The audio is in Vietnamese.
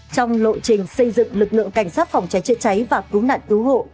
trong lộ trình xây dựng lực lượng cảnh sát phòng cháy chữa cháy và cứu nạn cứu hộ